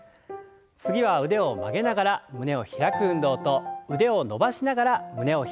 次は腕を曲げながら胸を開く運動と腕を伸ばしながら胸を開く運動。